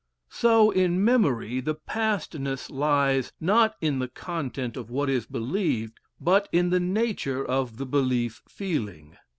So, in memory, the pastness lies, not in the content of what is believed, but in the nature of the belief feeling.